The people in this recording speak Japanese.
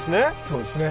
そうですね。